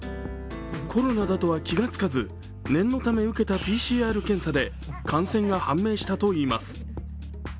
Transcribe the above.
コロナだとは気がつかず念のため受けたＰＣＲ検査で感染が判明したといいます。